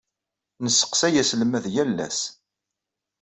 Nesseqsay aselmad yal ass.